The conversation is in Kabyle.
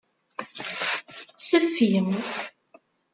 Seffi.